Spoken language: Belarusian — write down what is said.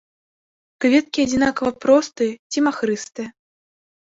Кветкі адзінкавыя простыя ці махрыстыя.